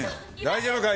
大丈夫か？